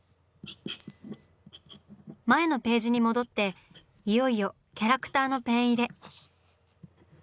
前のページに戻っていよいよキャラクターのペン入れ。